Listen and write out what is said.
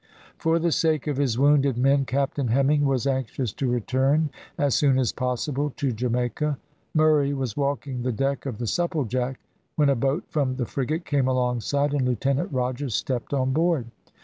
For the sake of his wounded men Captain Hemming was anxious to return as soon as possible to Jamaica. Murray was walking the deck of the Supplejack, when a boat from the frigate came alongside, and Lieutenant Rogers stepped on board.